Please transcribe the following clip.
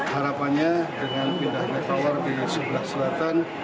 harapannya dengan pindahnya tower di sebelah selatan